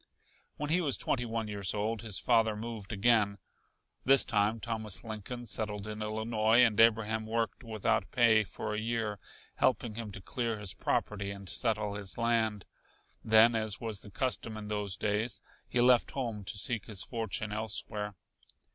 When he was twenty one years old his father moved again. This time Thomas Lincoln settled in Illinois, and Abraham worked without pay for a year, helping him to clear his property and settle his land. Then, as was the custom in those days, he left home to seek his fortune elsewhere.